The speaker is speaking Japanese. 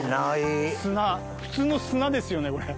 砂普通の砂ですよねこれ。